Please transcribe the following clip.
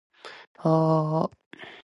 かきくけこきのゆ